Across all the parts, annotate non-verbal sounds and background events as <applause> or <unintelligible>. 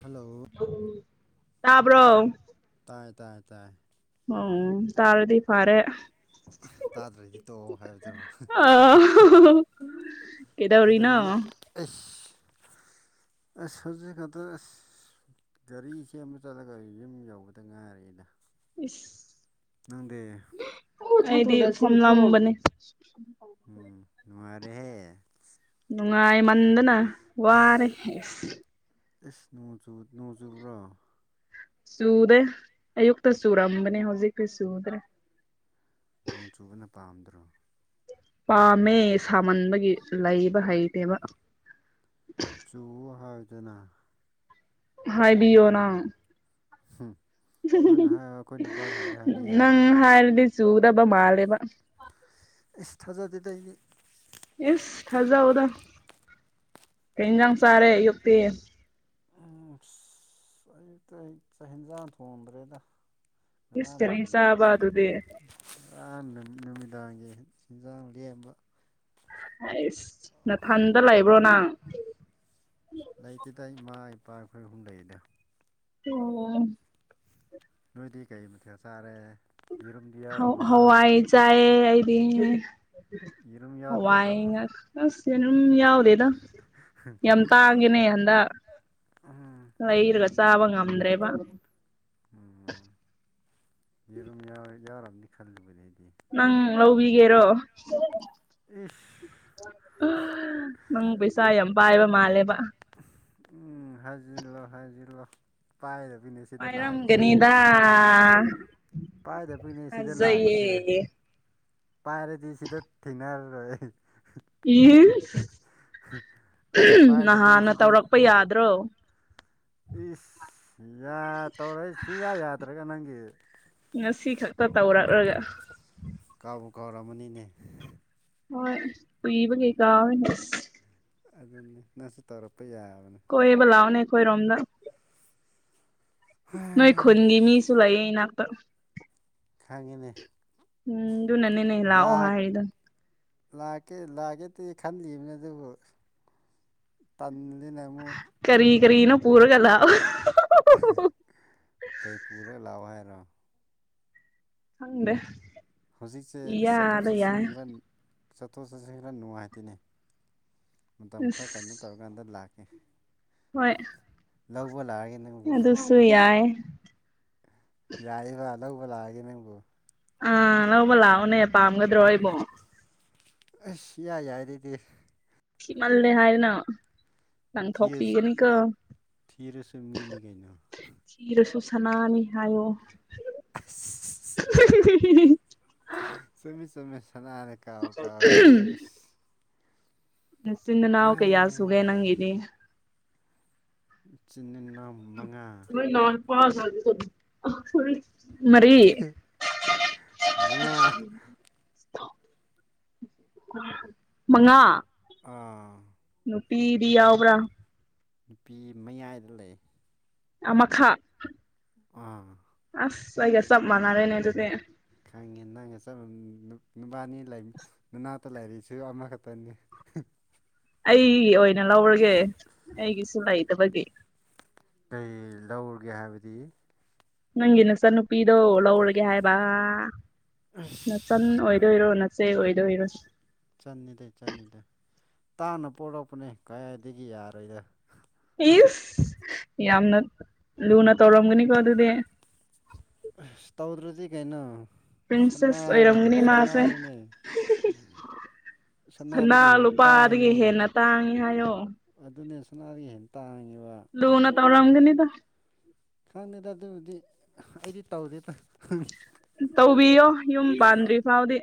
hello ꯇꯥꯕ꯭ꯔꯣ ꯇꯥꯏꯌꯦ ꯇꯥꯏꯌꯦ ꯇꯥꯏꯌꯦ ꯑꯣꯝ ꯇꯥꯔꯗꯤ ꯐꯔꯦ ꯇꯥꯗ꯭ꯔꯗꯤ ꯇꯣꯛꯑꯣ ꯑ ꯍꯥꯏꯕꯗꯨꯔꯣ ꯀꯩꯗꯧꯔꯤꯅꯣ ꯑꯩꯁ ꯑꯩꯁ ꯍꯧꯖꯤꯛ ꯈꯇꯔꯁ ꯒꯥꯔꯤ ꯁꯦꯝꯕ ꯆꯠꯂꯒ ꯌꯨꯝ ꯌꯧꯕꯗ ꯉꯥꯏꯔꯤꯅ ꯑꯁ ꯑꯩꯗꯤ ꯐꯝꯂꯝꯕꯅꯦ ꯎꯝ ꯅꯨꯉꯥꯏꯔꯦꯍꯦ ꯅꯨꯡꯉꯥꯏꯃꯟꯗꯅ ꯋꯥꯔꯦ ꯑꯦꯁ ꯑꯦꯁ ꯅꯣꯡꯖꯨ ꯅꯣꯡꯖꯨꯕ꯭ꯔꯣ ꯆꯨꯗꯦ ꯑꯌꯨꯛꯇ ꯆꯨꯔꯝꯕꯅꯦ ꯍꯧꯖꯤꯛꯇꯤ ꯆꯨꯗ꯭ꯔꯦ ꯅꯣꯡ ꯆꯨꯕꯅ ꯄꯥꯝꯗ꯭ꯔꯣ ꯄꯥꯝꯃꯦ ꯁꯥꯃꯟꯕꯒꯤ ꯂꯩꯕ ꯍꯩꯇꯦꯕ ꯆꯨꯑꯣ ꯍꯥꯏꯌꯨꯗꯅ ꯍꯥꯏꯕꯤꯌꯣ ꯅꯪ ꯎꯝ ꯅꯣꯏꯅ ꯍꯥꯏꯌꯣ ꯑꯩꯈꯣꯏ ꯅꯨꯄꯥꯁꯤꯡꯗꯤ ꯍꯥꯏꯗꯤ ꯅꯪ ꯌꯥꯔꯣꯏ ꯍꯥꯏꯔꯗꯤ ꯆꯨꯗꯕ ꯃꯥꯂꯦꯕ ꯑꯩꯁ ꯊꯥꯖꯗꯦꯗ ꯑꯩ ꯏꯁ ꯊꯥꯖꯧꯗ ꯀꯩ ꯏꯟꯁꯥꯡ ꯆꯥꯔꯦ ꯑꯌꯨꯛꯇꯤ ꯎ ꯑꯁ ꯑꯌꯨꯛꯇꯤ ꯑꯩ ꯆꯥꯛ ꯍꯤꯦꯟꯖꯥꯡ ꯊꯣꯡꯗ꯭ꯔꯦꯗ <unintelligible> ꯏꯁ ꯀꯔꯤ ꯆꯥꯕ ꯑꯗꯨꯗꯤ ꯉꯔꯥꯟ ꯅꯨꯃꯤꯗꯥꯡꯒꯤ ꯏꯟꯖꯥꯡ ꯂꯦꯝꯕ ꯑꯩꯁ ꯅꯊꯟꯗ ꯂꯩꯕ꯭ꯔꯣ ꯅꯪ ꯂꯩꯇꯗ ꯏꯃꯥ ꯏꯄꯥ ꯑꯩꯈꯣꯏ ꯑꯍꯨꯝ ꯂꯩꯗ ꯑꯣ ꯅꯣꯏꯗꯤ ꯀꯩ ꯃꯇꯊꯦꯛ ꯆꯥꯔꯦ ꯌꯦꯔꯨꯝꯗꯤ ꯍ ꯌꯥꯎꯔꯝꯃꯅꯤ ꯍ ꯑꯩ ꯁꯣꯏꯔꯔꯣꯏ ꯆꯑꯕꯤ ꯌꯦꯔꯨꯝ ꯍꯋꯥꯏ ꯌꯥꯎꯗ꯭ꯔꯕꯣ ꯉꯁꯅꯝ ꯌꯥꯎꯗꯦ ꯌꯥꯝ ꯇꯥꯡꯒꯦꯅꯦ ꯍꯟꯗꯛ ꯎꯝ ꯍ ꯌꯦꯔꯨꯝ ꯏꯔꯒ ꯆꯕ ꯉꯝ꯭ꯔꯦꯕ ꯎꯝ ꯌꯦꯔꯨꯝ ꯌꯥꯎꯔꯕꯗꯤ ꯈꯜꯂꯨꯕꯅꯦ ꯑꯩꯗꯤ ꯅꯪ ꯂꯧꯕꯤꯒꯦꯔꯣ ꯑꯦꯐ ꯅꯪ ꯄꯩꯁꯥ ꯌꯥꯝ ꯄꯥꯏꯕ ꯃꯥꯜꯂꯦꯕ ꯎꯝ ꯍꯥꯏꯖꯤꯔ ꯂꯣ ꯍꯥꯏꯖꯤꯔꯂꯣ ꯄꯥꯏꯗꯕꯤꯅꯦ ꯄꯥꯏꯔꯝꯒꯅꯤꯗ ꯄꯥꯏꯗꯕꯅꯦ ꯁꯤꯗ ꯂꯥꯛꯏꯁꯦ ꯊꯥꯖꯩꯌꯦ ꯄꯥꯏꯔꯗꯤ ꯁꯤꯗ ꯊꯦꯡꯅꯔꯔꯣꯏ ꯏ ꯄꯥꯏꯗꯕꯒꯤ ꯅꯍꯥꯟꯅ ꯁꯤꯗ ꯇꯧꯔꯛꯄ ꯌꯥꯗ꯭ꯔꯣ ꯏꯁ ꯌꯥ ꯇꯧꯔꯦ ꯁꯨꯡꯌꯥ ꯌꯥꯗ꯭ꯔꯒ ꯅꯪꯒꯤ ꯉꯁꯤ ꯈꯛꯇ ꯇꯧꯔꯛꯂꯒ ꯀꯥꯎꯕꯨ ꯀꯥꯎꯔꯝꯃꯅꯤꯅꯦ ꯍꯣꯏ ꯀꯏꯕ ꯀꯩꯀꯥ ꯑꯗꯨꯅꯤ ꯅꯪꯁꯨ ꯇꯧꯔꯛꯄ ꯌꯥꯕꯅꯦ ꯑꯩꯣꯏꯕꯂꯅꯦ ꯑꯩꯣꯏ ꯔꯣꯝꯗ ꯅꯣꯏ ꯈꯨꯟꯒꯤ ꯃꯤꯁꯨ ꯂꯩꯌꯦꯅꯥꯛꯇ ꯈꯥꯡꯉꯤꯅꯦ ꯎꯝ ꯑꯗꯨ ꯅꯅꯦꯦꯅꯦ ꯏꯂ ꯑꯣꯍꯥ ꯍꯥꯏꯗ ꯂꯥꯛꯀꯦ ꯂꯥꯛꯀꯦꯗꯤ ꯈꯜꯂꯤꯕꯅꯤ ꯑꯗꯨꯕꯨ ꯇꯟꯜꯂꯤ ꯅꯦꯃ ꯀꯔꯤ ꯀꯔꯤꯅ ꯄꯔꯒ ꯂꯥꯕ ꯀꯔꯤ ꯄꯨꯔꯒ ꯂꯥꯛꯑꯣ ꯍꯥꯏꯔꯣ ꯐꯪꯗꯦ ꯍꯧꯖꯤꯛꯁꯦ ꯆꯠꯊꯣꯛ ꯆꯠꯁꯤꯟ ꯈ꯭ꯔꯟ ꯆꯠꯊꯣꯛ ꯆꯠꯁꯤ ꯈꯔ ꯅꯨꯡꯉꯥꯏꯇꯦꯅꯦ ꯃꯇꯝ ꯈꯔ ꯀꯩꯅꯣ ꯑꯁ ꯇꯧꯔꯀꯥꯟꯗ ꯂꯥꯛꯀꯦ ꯍꯣꯏ ꯂꯧꯕ ꯂꯥꯛꯑꯒꯦꯅ ꯑꯗꯨ ꯑꯗꯨꯁꯨ ꯌꯥꯏ ꯌꯥꯏꯕ ꯑꯅꯧꯕ ꯂꯥꯛꯑꯒꯦ ꯃꯤꯡꯕꯨ ꯑꯥ ꯂꯧꯕ ꯂꯥꯛꯑꯣꯅꯦ ꯄꯥꯝꯒꯗ꯭ꯔꯣ ꯑꯩꯕꯨꯣ ꯑꯁꯤ ꯌꯥꯏ ꯌꯥꯏꯔꯤꯗꯤ ꯐꯤꯃꯜꯂꯦ ꯍꯥꯏꯅ ꯊꯤꯔꯁꯨ ꯀꯪꯊꯣꯛꯄꯤꯤꯒꯅꯤ ꯀ ꯊꯤꯔꯁꯨ ꯃꯤꯅꯤ ꯀꯩꯅꯣ ꯁꯤꯤꯔꯁꯨ ꯁꯅꯥꯅꯤ ꯍꯥꯏꯌꯣ ꯆꯨꯝꯃꯦ ꯆꯨꯝꯃꯦ ꯁꯅꯥꯔ ꯀꯥꯎ ꯀꯥꯎꯍꯩꯁꯨꯦ ꯅꯁꯤꯤꯟꯅꯥꯎ ꯀꯩ ꯌꯥꯁꯨꯨꯒꯦ ꯑꯩꯁ ꯅꯪꯗꯤꯅꯤ ꯆꯤꯟꯅꯥꯎ ꯃꯉꯥ ꯃ ꯅ ꯄꯥꯒ ꯊ ꯍ ꯃꯔꯤ ꯃꯉꯥ ꯃꯉꯥ ꯑꯥ ꯄꯤꯗꯤ ꯌꯥꯎꯕ꯭ꯔꯥ ꯅꯨꯄꯤ ꯃꯌꯥꯏꯗ ꯂꯩ ꯑꯃꯈꯛ ꯑꯥ ꯑꯁ ꯑꯩꯒꯥ ꯆꯞ ꯃꯅꯥꯔꯦꯅꯦ ꯑꯗꯨꯗꯤ ꯈꯪꯉꯦ ꯅꯪꯒ ꯆꯠ ꯅꯨꯄꯥꯅꯤ ꯅꯨꯅꯥꯇ ꯂꯩꯔꯤꯛꯁꯨ ꯑꯃꯈꯛꯇꯅꯤ ꯑꯩꯒꯤ ꯑꯣꯏꯅ ꯂꯧꯔꯒꯦ ꯑꯩꯒꯤꯁꯨ ꯂꯩꯇꯕꯒꯤ ꯀꯩ ꯂꯧꯔꯒꯦ ꯍꯥꯏꯕꯗꯤ ꯅꯪꯒꯤ ꯅꯁ ꯅꯨꯄꯤꯗꯣ ꯂꯧꯔꯒꯦ ꯍꯥꯏꯕ ꯑ ꯅꯆꯟ ꯑꯣꯏꯗꯣꯏꯔꯣ ꯅꯆꯦ ꯑꯣꯏꯗꯣꯏꯔꯣ ꯆꯅꯤꯗ ꯆꯅꯤꯗ ꯇꯥꯡꯅ ꯄꯣꯛꯂꯛꯄꯅꯦ ꯀꯗꯥꯏꯗꯒꯤ ꯌꯥꯔꯣꯏꯗ ꯏꯁ ꯌꯥꯝꯅ ꯂꯨꯅ ꯇꯧꯔꯝꯒꯅꯤꯀꯣ ꯑꯗꯨꯗꯤ ꯏꯁ ꯇꯧꯗ꯭ꯔꯗꯤ ꯀꯥꯏꯅ ꯄ꯭ꯔꯤꯟꯁꯦꯁ ꯁꯅꯥꯒꯨꯝ ꯑꯣꯏꯔꯝꯒꯅꯤ ꯃꯥꯁꯦ ꯁꯠꯅꯥꯅꯤꯅꯦ ꯁꯅꯥ ꯁꯅꯥꯗꯒꯤ ꯍꯦꯟ ꯂꯨꯄꯥꯗꯒꯤ ꯇꯥꯡꯉꯤꯅꯦ ꯍꯦꯟꯅ ꯇꯥꯡꯉꯤ ꯍꯥꯏꯌꯣ ꯑꯗꯨꯅꯦ ꯁꯣꯅꯥꯗꯒꯤ ꯍꯦꯟꯅ ꯇꯥꯡꯉꯦꯕ ꯂꯨꯅ ꯇꯧꯔꯝꯒꯅꯤꯗ ꯈꯪꯗꯦꯗ ꯑꯗꯨꯕꯨꯗꯤ ꯑꯩꯗꯤ ꯇꯧꯗꯦꯗ ꯇꯧꯕꯤꯌꯣ ꯌꯨꯝ ꯄꯥꯟꯗ꯭ꯔꯤ ꯐꯥꯎꯗꯤ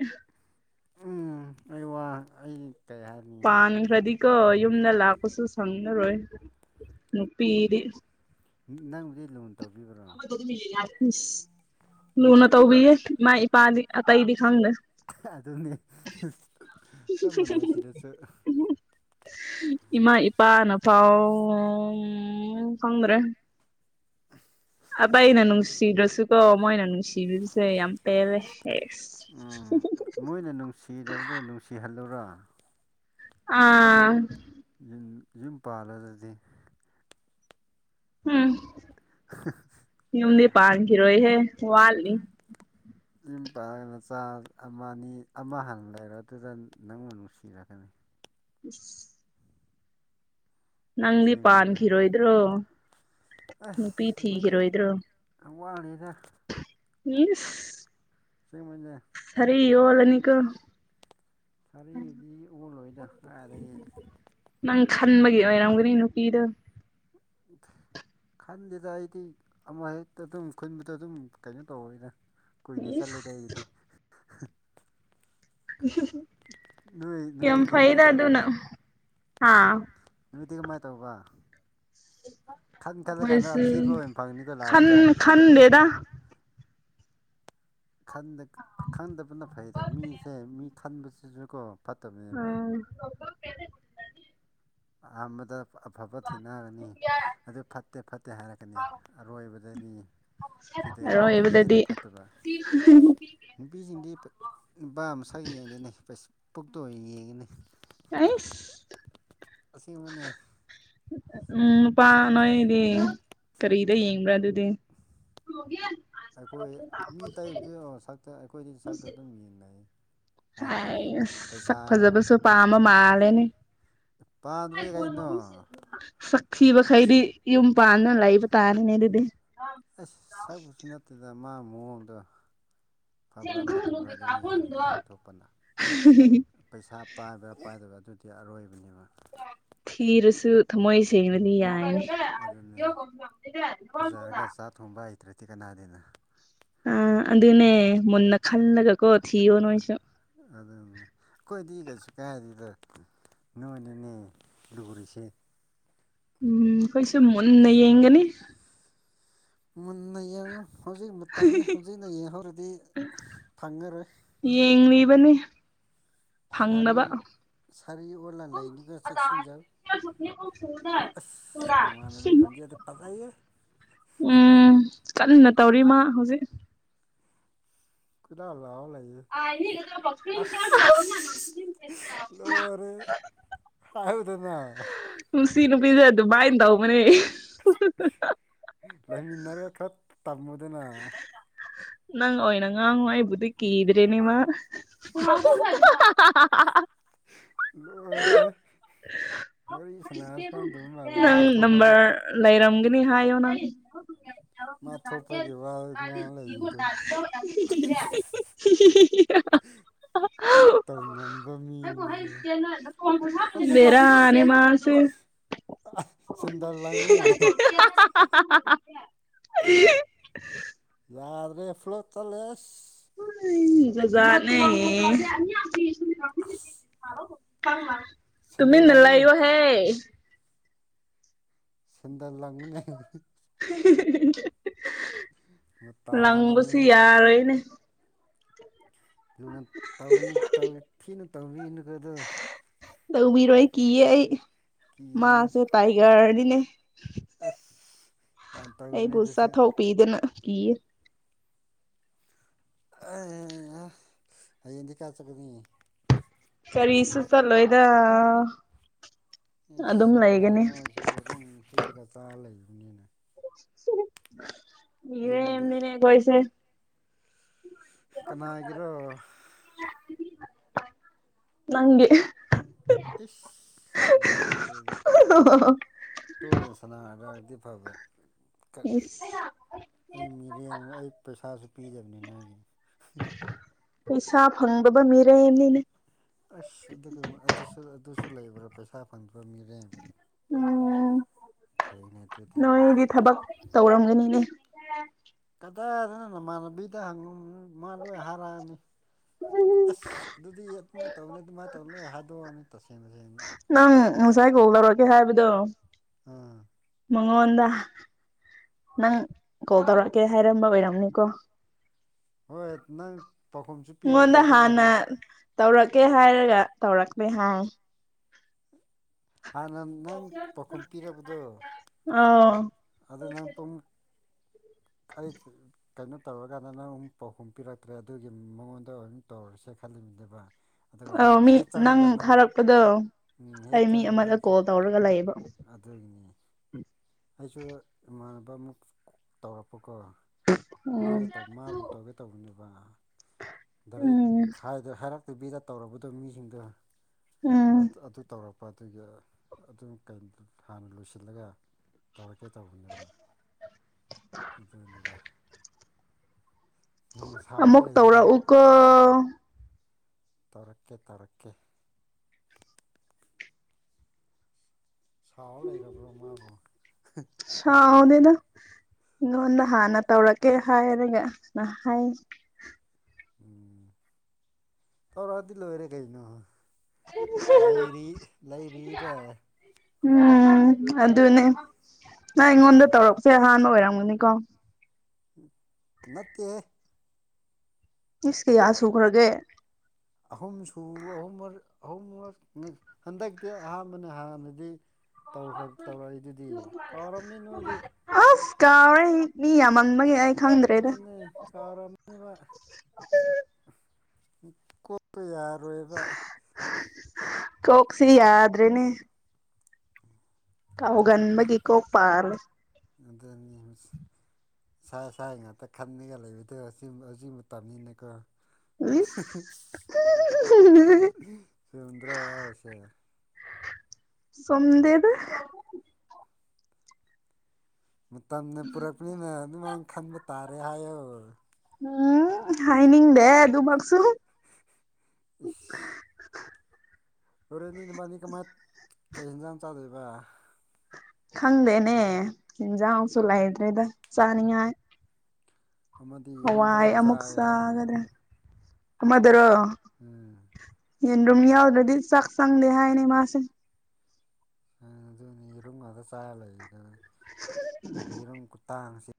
ꯎꯝ ꯑꯩ ꯋꯥ ꯑꯩ ꯀꯩ ꯍꯥꯏꯦ ꯄꯥꯟꯈ꯭ꯔꯗꯤꯀ ꯌꯨꯝꯗ ꯂꯥꯛꯄꯁꯨ ꯁꯪꯉꯔꯣꯏ ꯅꯨꯄꯤꯗꯤ ꯅꯪꯕꯨꯗꯤ ꯂꯨꯟ ꯇꯧꯕꯤꯕ꯭ꯔꯣ ꯏꯁ ꯂꯨꯅ ꯇꯧꯕꯤꯌꯦ ꯏꯃꯥ ꯏꯄꯥꯗꯤ ꯑꯇꯩꯗꯤ ꯈꯪꯗꯦ ꯑꯗꯨꯅꯤ ꯁ ꯃꯅꯦ ꯁꯤꯗꯁꯨ ꯏꯃꯥ ꯏꯄꯥꯅꯐꯥꯎ ꯈꯪꯗ꯭ꯔꯦ <unintelligible> ꯑꯕꯏ ꯅꯅꯅꯨꯡꯁꯤ ꯗ꯭ꯔꯁꯨ ꯀꯣ ꯃꯣꯏ ꯅꯅꯅꯨꯡꯁꯤ ꯇꯤꯚꯁꯦ ꯌꯥꯝ ꯄꯦꯜꯂꯦ ꯎꯝ ꯀꯤꯍꯜꯂꯨꯔ ꯑꯥ ꯌꯨꯝ ꯌꯨꯝ ꯄꯥꯂ ꯑꯗꯨꯗꯤ ꯎꯝ ꯌꯨꯝꯗꯤ ꯄꯥꯟꯈꯤꯔꯣꯏꯍꯦ ꯋꯥꯠꯂꯔ ꯌꯨꯝ ꯄꯥꯜꯂꯒ ꯅꯆꯥ ꯑꯃ ꯑꯅꯤ ꯑꯃ ꯍꯥꯟꯅ ꯂꯩꯔꯗꯨꯗ ꯅꯪꯕꯨ ꯅꯨꯡꯁꯤꯔꯛꯀꯅꯤ <unintelligible> ꯅꯪꯗꯤ ꯁꯦꯡꯕꯅꯦ ꯄꯥꯟꯈꯤꯔꯣꯏꯗ꯭ꯔꯣ ꯑꯁ ꯅꯨꯄꯤ ꯑꯩꯈꯣꯏ ꯊꯤꯈꯤꯔꯣꯏꯗ꯭ꯔꯣ ꯑꯅꯤ ꯏꯗꯦ ꯃꯤ ꯑꯁꯦꯡꯕꯩꯅꯦ ꯁꯔꯤ ꯌꯣꯂꯅꯤꯀ ꯊꯔꯩꯗꯤ ꯑꯣꯜꯂꯣꯏꯗ ꯀꯔꯥꯏꯗꯒꯤ ꯅꯪ ꯈꯟꯕꯒꯤ ꯑꯣꯏꯔꯝꯒꯅꯤ ꯅꯨꯄꯤꯗ ꯑꯝ ꯈꯟꯗꯦꯗ ꯑꯩꯗꯤ ꯑꯃ ꯍꯦꯛꯇ ꯑꯗꯨꯝ ꯈꯨꯟꯕꯗꯣ ꯑꯗꯨꯝ ꯀꯩꯅꯣ ꯇꯧꯑꯦꯗ ꯀꯨꯏꯅꯦ ꯏꯁ ꯆꯠꯂꯦꯗ ꯑꯩꯗꯤ ꯅꯣꯏ ꯅꯣꯏꯒꯤꯗꯤ ꯀꯃꯥꯏꯅ ꯇꯧꯕ ꯑꯥ ꯅꯨꯃꯤꯠꯇꯤ ꯀꯃꯥꯏꯅ ꯇꯧꯕ ꯈꯟ ꯈꯜꯂ ꯀꯥꯟꯗ ꯑꯊꯤꯕ ꯑꯣꯏꯅ ꯐꯪꯅꯤꯀꯣ ꯈꯟ ꯂꯥꯁꯇ ꯈꯟꯗꯦꯗ ꯈꯟ ꯈꯟꯗꯕꯅ ꯐꯩꯗ ꯃꯤꯁꯦ ꯃꯤ ꯈꯟꯕꯁꯤꯁꯨ ꯀꯣ ꯐꯠꯇꯕꯅꯦꯕ ꯎ <inaudible> ꯑꯍꯥꯟꯕꯗ ꯑꯐꯕ ꯊꯦꯡꯅꯔꯅꯤ ꯑꯗꯨ ꯐꯠꯇꯦ ꯐꯠꯇꯦ ꯍꯥꯏꯔꯛꯀꯅꯤ ꯑꯔꯣꯏꯕꯗꯅꯤ ꯑꯔꯣꯏꯕꯗꯗꯤ ꯅꯨꯄꯤꯁꯤꯡꯗꯤ ꯅꯨꯄꯥ ꯃꯁꯛꯒꯤ ꯌꯦꯡꯗꯦꯅꯦ ꯄꯨꯛꯇ ꯌꯦꯡꯉꯤꯅꯤ ꯑꯥꯏꯁ ꯑꯁꯦꯡꯕꯅꯦ ꯎꯝ ꯅꯨꯄꯥ ꯁꯛ ꯅꯣꯏꯗꯤ ꯈꯔꯤꯗꯦ ꯌꯦꯡꯕ꯭ꯔ ꯑꯗꯨ <inaudible> ꯑꯩꯈꯣꯏ ꯃꯤ ꯇꯩꯕꯗꯨ ꯁꯛꯇ ꯑꯩꯈꯣꯏꯗꯤ ꯁꯛꯇ ꯑꯗꯨꯝ ꯌꯦꯡꯅꯩ ꯍꯥꯏ ꯍꯥꯏꯇꯥꯔꯦ ꯑꯁ ꯁꯛ ꯄꯩꯁꯥ ꯐꯖꯕꯁꯨ ꯋꯥ ꯄꯥꯝꯕ ꯃꯥꯜꯂꯦꯅꯦ ꯄꯥꯗ꯭ꯔꯦ ꯀꯩꯅꯣ ꯁꯛ ꯊꯤꯕꯈꯩꯗꯤ ꯌꯨꯝ ꯄꯥꯟꯗꯅ ꯂꯩꯕ ꯇꯥꯔꯅꯦ ꯑꯗꯨꯗꯤ ꯑꯩꯁ ꯁꯛꯄꯁꯨ ꯅꯠꯇꯗ ꯃꯥ ꯃꯑꯣꯡꯗꯣ ꯐꯕ꯭ꯔꯥ ꯐꯠꯇꯕ꯭ꯔꯥ ꯑꯗꯨ ꯍꯥꯟꯅ ꯌꯦꯡꯊꯣꯛꯄꯅ <unintelligible> ꯄꯩꯁꯥ ꯄꯥꯏꯕ꯭ꯔꯥ ꯄꯥꯏꯗꯕ ꯑꯗꯨꯗꯤ ꯑꯔꯣꯏꯕꯅꯦꯕ ꯊꯤꯔꯁꯨ ꯊꯃꯣꯏ ꯁꯦꯡꯕꯗꯤ ꯌꯥꯏꯅꯦ ꯑꯗꯨꯅꯦ ꯐꯖꯔꯒ <unintelligible> ꯆꯥꯛ ꯊꯣꯡꯕ ꯍꯩꯇ꯭ꯔꯗꯤ ꯀꯅꯥꯗꯦꯅ ꯑ ꯑꯗꯨ ꯑꯗꯨꯅꯦ ꯃꯟꯅ ꯈꯜꯂꯒ ꯀꯣ ꯊꯤꯌꯣ ꯅꯣꯏꯁꯨ ꯑꯗꯨꯗꯨꯅ ꯑꯈꯣꯏꯗꯤ ꯀꯩꯁꯨ ꯀꯥꯏꯗꯦꯗ ꯅꯣꯏꯅꯤꯅꯦ ꯂꯨꯔꯤꯁꯦ ꯎꯝ ꯑꯈꯣꯏꯁꯨ ꯃꯨꯟꯅ ꯌꯦꯡꯒꯅꯤ ꯃꯨꯟꯅ ꯌꯦꯡꯉꯨ ꯍꯧꯖꯤꯛ ꯃꯇꯝꯅꯤ ꯍꯧꯖꯤꯛꯅ ꯌꯦꯡꯍꯧꯔꯗꯤ ꯐꯪꯉꯔꯣꯏ ꯌꯦꯡꯅꯤꯕꯅꯤ ꯁꯔꯤ ꯑꯣꯂꯥꯟ ꯂꯥꯏꯅꯤꯒ ꯆꯦꯛꯁꯤꯦꯟꯖꯔ <unintelligible> ꯑꯁ ꯅꯅꯨꯡꯉꯥꯟꯅꯕꯕꯤ ꯈꯟꯖꯩ ꯑꯗ ꯄꯖꯩꯌꯦ <unintelligible> ꯎꯝ ꯀꯟꯅ ꯇꯧꯔꯤ ꯃꯥ ꯍꯧꯖꯤꯛ ꯂꯧ ꯂꯥꯎ ꯂꯩꯑꯦ <unintelligible> ꯑꯗꯅ <unintelligible> ꯅꯨꯡꯁꯤ ꯅꯨꯄꯤꯁ ꯑꯗꯨ ꯃꯥꯏꯅ ꯇꯧꯕꯅꯦ ꯂꯩꯃꯤꯟꯅꯔꯒ ꯈꯔ ꯇꯝꯃꯨꯗꯅ ꯅꯪ ꯑꯣꯏꯅ ꯉꯥꯡꯉꯨ ꯑꯩꯕꯨꯗꯤ ꯀꯤꯗ꯭ꯔꯦ ꯃꯥ ꯃꯃ ꯂꯣꯏꯔꯦꯍꯦ ꯋꯥꯔꯤ ꯁꯥꯟꯅꯔꯁꯨ ꯈꯪꯗꯕ ꯃꯥꯜꯂꯦ <unintelligible> ꯃꯥ ꯅꯪ ꯊꯣꯛꯄꯗꯨ ꯅꯝꯕꯔ ꯂꯩꯔꯝꯒꯅꯤ ꯍꯥꯏ ꯑꯣꯅ ꯃꯥꯊꯣꯛꯄꯒꯤ ꯋꯥ ꯍꯤ ꯍꯤ ꯉꯥꯡ ꯂꯩꯔꯤꯗꯨ ꯇꯧ ꯉꯝꯕ ꯃꯤꯅꯤꯍꯦ ꯍꯤ ꯑꯁ ꯕꯦꯔꯅꯤ ꯃꯥꯁꯨ ꯁꯦꯟꯗꯜ ꯂꯪꯉꯨꯅꯦ <inaudible> ꯌꯥꯗ꯭ꯔꯦ ꯐ꯭ꯂꯣꯞ ꯆꯠꯂꯦ ꯑꯁ <unintelligible> ꯖꯥꯠ ꯖꯥꯠꯅꯦ ꯑꯁ ꯁꯦꯟꯗꯜ ꯇꯨꯃꯤꯟꯅꯥ ꯂꯥꯡꯉꯨꯅꯦ ꯂꯩꯌꯨ ꯍꯦ ꯁꯟꯗꯥꯔ ꯂꯥꯡꯅ ꯃꯇꯥ ꯂꯪꯕꯁꯨ ꯑꯃꯅꯤꯍꯦ ꯌꯥꯔꯣꯏꯅꯦ ꯑꯗꯨꯅꯧ ꯊꯤꯅ ꯇꯧꯕꯤꯅꯨꯀꯗꯣ ꯇꯧꯕꯤꯔꯣꯏ ꯀꯤꯌꯦ ꯑꯩ ꯀꯤꯒꯅꯨ ꯃꯥꯁꯦ ꯇꯥꯏꯒꯔꯅꯤꯅꯦ ꯑꯁ ꯌꯥꯝ ꯇꯧꯕꯅꯦ ꯑꯗꯨꯁꯨ ꯄꯤꯗꯅ ꯀꯤꯌꯦ ꯍꯌꯦꯡꯗꯤ ꯀꯥꯏ ꯆꯠꯀꯅꯤ ꯀꯔꯤꯁꯨ ꯆꯠꯂꯣꯏꯗ ꯑꯗꯨꯝ ꯂꯩꯒꯅꯤ ꯁꯤꯒꯨꯝꯕ ꯑꯗꯨ ꯁꯤꯕꯒ ꯆꯥꯔ ꯂꯩꯕꯅꯤꯅ ꯌꯨꯝꯗ ꯃꯤꯔꯦꯝꯅꯤꯅꯦ ꯑꯩꯈꯣꯏꯁꯦ ꯀꯅꯥꯒꯤꯔꯣ ꯅꯪꯒꯤ ꯏꯁ ꯋꯥꯔꯤꯗꯤ ꯑꯣ ꯇꯣꯏꯅ ꯁꯅꯔꯗꯥꯗꯤ ꯐꯕ ꯏꯁ ꯑꯩ ꯃꯤꯔꯦꯟ ꯑꯩ ꯄꯩꯁꯥꯁꯨ ꯄꯤꯗꯕꯅꯤ ꯅꯣꯏꯒꯤ ꯄꯩꯁꯥ ꯐꯪꯗꯕ ꯃꯤꯔꯦꯝꯅꯤꯅꯦ ꯑꯁ ꯑꯗꯨꯒ ꯑꯗꯨꯁꯨ ꯑꯗꯨꯁꯨ ꯂꯩꯕ꯭ꯔꯥ ꯄꯩꯁꯥ ꯐꯪꯗ꯭ꯔꯥ ꯃꯤꯔꯦꯝ ꯎꯝ ꯐꯩꯅꯦ ꯑꯗꯨꯗꯤ ꯅꯣꯏꯗꯤ ꯊꯕꯛ ꯇꯧꯔꯝꯒꯅꯤꯅꯦ ꯑ <inaudible> ꯀꯗꯥꯏꯗꯅ ꯅꯃꯥꯟꯅꯕꯤꯗ ꯍꯪꯉ ꯃꯥ ꯂꯣꯏ ꯍꯥꯏꯔꯛꯑꯅꯤ ꯑꯁ ꯑꯗꯨꯗꯤ ꯑꯗꯨꯃꯥꯏꯅ ꯇꯧꯅꯤ ꯑꯗꯨꯃꯥꯏꯅ ꯇꯧ ꯂꯣꯏ ꯍꯥꯏ ꯍꯥꯗꯣꯛꯑꯅꯤ ꯇꯁꯦꯡ ꯇꯁꯦꯡꯅ ꯅꯪ ꯉꯁꯥꯏ ꯀꯣꯛ ꯂꯧꯔꯒꯦ ꯍꯥꯏꯕꯗꯣ ꯎꯝ ꯃꯉꯣꯟꯗ ꯅꯪ ꯀꯣꯜ ꯇꯧꯔꯛꯀꯦ ꯍꯥꯏꯔꯝꯕ ꯑꯣꯏꯔꯝꯅꯤꯀꯣ ꯍꯣꯏ ꯅꯪ ꯄꯥꯎꯈꯨꯝꯁꯨ ꯄꯤꯔꯛꯇꯦ ꯑꯩꯉꯣꯟꯗ ꯑꯗꯨꯒꯤ ꯍꯥꯟꯅ ꯇꯧꯔꯛꯀꯦ ꯍꯥꯏꯔꯒ ꯇꯧꯔꯛꯂꯦ ꯍꯥꯏ ꯍꯥꯟꯅ ꯅꯪ ꯄꯥꯎꯈꯨꯝ ꯄꯤꯔꯕꯗꯣ ꯑꯥꯎ ꯑꯗꯨ ꯅꯪ ꯄꯨꯡ ꯀꯥꯗꯦꯍꯦ ꯀꯩꯅꯣ ꯇꯧꯔꯀꯥꯟꯗ ꯅꯪ ꯑꯃꯨꯛ ꯄꯥꯎꯈꯨꯝ ꯄꯤꯔꯛꯇ꯭ꯔꯦ ꯑꯗꯨꯒꯤ ꯃꯉꯣꯟꯗ ꯑꯣꯏꯅꯝ ꯇꯧꯔꯁꯦ ꯈꯜꯂꯤꯕꯅꯦꯕ ꯑꯗꯨꯒ ꯑꯧ ꯅꯪ ꯃꯤ ꯈꯦꯠ ꯆꯪꯉꯒ ꯅꯪ ꯊꯥꯔꯛꯄꯗꯣ ꯍꯦꯛ ꯑꯩ ꯃꯤ ꯆꯪꯒ ꯑꯃꯗ ꯅꯪꯁꯨ ꯀꯣꯜ ꯇꯧꯔꯒ ꯂꯩꯌꯦꯕ ꯑꯗꯨꯒꯤꯅꯤ ꯑꯩꯁꯨ ꯏꯃꯥꯟꯅꯕ ꯑꯃꯨꯛ ꯇꯧꯔꯛꯄꯀꯣ ꯎꯝ ꯃꯥꯒꯤ ꯇ ꯃꯥꯕꯨ ꯇꯧꯒꯦ ꯇꯧꯕꯅꯦꯕ ꯗꯥꯔꯩ ꯎꯝ ꯈꯥꯏꯗ ꯍꯥꯏꯔꯛꯇꯕꯤꯗ ꯇꯧꯔꯕꯗꯣ ꯃꯤꯁꯤꯡꯗꯣ ꯎꯝ ꯑꯗꯨ ꯇꯧꯔꯛꯄ ꯂꯨꯄꯥꯗꯨꯒꯤ ꯑꯗꯨꯝ ꯍꯥꯟꯅ ꯂꯣꯏꯁꯤꯜꯂꯒ ꯇꯧꯔꯛꯀꯦ ꯇꯧꯕꯅꯦꯕ ꯑꯗꯨꯅꯤꯗ ꯅꯪ ꯁꯥꯎꯔ ꯑꯃꯨꯛ ꯂꯩꯕ꯭ꯔꯣ ꯇꯧꯔꯛꯎꯀꯣ ꯇꯥꯔꯛꯀꯦ ꯇꯥꯔꯛꯀꯦ ꯁꯥꯎꯔ ꯂꯩꯔꯕ꯭ꯔꯣ ꯃꯥꯕꯨ ꯁꯥꯎꯗꯦꯗ ꯑꯩꯉꯣꯟꯗ ꯍꯥꯟꯅ ꯇꯧꯔꯛꯀꯦ ꯍꯥꯏꯔꯒ ꯍꯥꯏ ꯎꯝ ꯇꯧꯔꯛꯑꯗꯤ ꯂꯣꯏꯔꯦ ꯀꯩꯅꯣ ꯂꯩꯔꯤ ꯂꯩꯔꯤꯗ ꯎꯝ ꯑꯗꯨꯅꯦ ꯅꯪ ꯑꯩꯉꯣꯟꯗ ꯂꯩ ꯇꯧꯔꯛꯄ ꯁꯤ ꯑꯍꯥꯟꯕ ꯑꯣꯏꯔꯝꯒꯅꯤꯀꯣ ꯅꯥꯠꯇꯦ ꯏꯁ ꯀꯌꯥ ꯁꯨꯈ꯭ꯔꯒꯦ ꯑꯍꯨꯝꯁꯨ ꯑꯍꯨꯝꯔ ꯑꯍꯨꯝ <unintelligible> ꯍꯟꯗꯛꯇꯤ ꯑꯍꯥꯟꯕꯅ ꯍꯥꯟꯅꯗꯤ ꯇꯧꯔꯛꯏꯗꯨꯗꯤ ꯀꯥꯎꯔꯝꯅꯤ ꯅꯣꯏꯗꯤ ꯑꯁ ꯀꯥꯎꯌ‌ꯦ ꯍꯤ ꯃꯤ ꯌꯥꯝꯃꯪꯕꯒ ꯑꯩ ꯈꯪꯗ꯭ꯔꯦꯗ ꯀꯥꯔꯝꯃꯤꯕ ꯀꯣꯛꯄ ꯌꯥꯔꯣꯏꯕ ꯀꯣꯛꯁꯤ ꯌꯥꯗ꯭ꯔꯦꯅꯦ <unintelligible> ꯀꯥꯎꯒꯟꯕꯒꯤ ꯀꯣꯄꯥꯔꯦ ꯑꯗꯅꯤ <unintelligible> ꯏꯁꯥ ꯁꯥ ꯉꯥꯛꯇ ꯈꯟꯉꯒ ꯂꯩꯕꯗꯣ ꯍꯧꯖꯤ ꯃꯇꯝꯅꯤꯅꯀꯣ ꯏꯁ ꯐꯨꯝꯗ꯭ꯔꯁ ꯆꯨꯝꯗꯦꯗ ꯃꯇꯝꯅ ꯄꯨꯔꯛꯄꯅꯤꯅ ꯑꯗꯨꯃꯥꯏꯅ ꯈꯟꯕ ꯇꯥꯔꯦ ꯍꯥꯏꯌꯣ ꯎꯝ ꯍꯥꯏꯅꯤꯡꯗꯦ ꯑꯗꯨꯃꯛꯁꯨ ꯎꯐ ꯍꯣꯔꯦꯟꯅꯤ ꯅꯨꯕꯥꯅꯤ ꯀꯃꯥꯏꯅ ꯀꯩ ꯌꯦꯟꯖꯥꯡ ꯆꯥꯗꯣꯏꯕ ꯈꯪꯗꯦꯅꯦ ꯆꯤꯟꯖꯥꯛꯁꯨ ꯂꯩꯗ꯭ꯔꯦꯗ ꯆꯥꯅꯤꯡꯉꯥꯏ ꯑꯃꯗꯤ ꯌꯦꯔꯨꯝ ꯍꯋꯥꯏ ꯐꯖꯅ ꯑꯃꯨꯛ ꯆꯥꯏ ꯍꯥꯏꯅꯤ ꯆꯒꯗ꯭ꯔꯥ ꯑꯃꯗꯨꯔ‌ꯣ ꯎꯝ ꯌꯦꯟꯔꯨꯝ ꯌꯥꯎꯗ꯭ꯔꯗꯤ ꯆꯥꯛ ꯆꯪꯗꯦ ꯍꯥꯏꯅꯦ ꯃꯥꯁꯦ ꯑꯗꯨꯅꯤ ꯌꯦꯔꯨꯝ ꯉꯥꯛꯇ ꯆꯥꯔ ꯂꯩꯗ ꯌꯦꯔꯨꯝ ꯈꯨꯇꯥꯡꯁꯤ